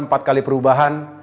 empat kali perubahan